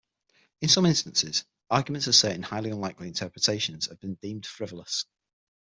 In some instances, arguments asserting highly unlikely interpretations have been deemed frivolous.